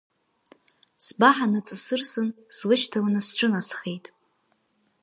Сбаҳа ныҵасырсын, слышьҭаланы сҿынасхеит.